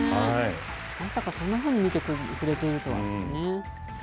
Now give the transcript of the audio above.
まさかそんなふうに見てくれているとはね。